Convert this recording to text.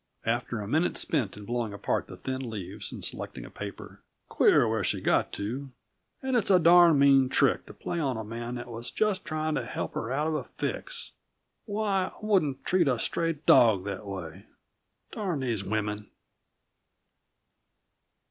After a minute spent in blowing apart the thin leaves and selecting a paper: "Queer where she got to and it's a darned mean trick to play on a man that was just trying to help her out of a fix. Why, I wouldn't treat a stray dog that way! Darn these women!"